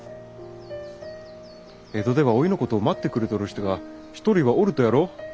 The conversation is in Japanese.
江戸ではおいのことを待ってくれとる人が１人はおるとやろ？